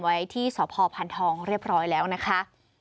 ไว้ที่สพพันธองเรียบร้อยแล้วนะคะ